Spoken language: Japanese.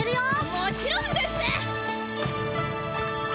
もちろんです！